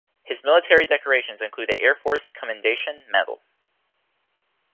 His military decorations include the Air Force Commendation Medal.